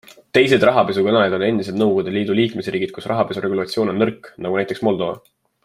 Teised rahapesukanalid on endised Nõukogude Liidu liikmesriigid, kus rahapesuregulatsioon on nõrk, nagu näiteks Moldova.